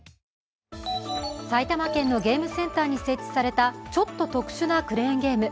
埼玉県のゲームセンターに設置された、ちょっと特殊なクレーンゲーム。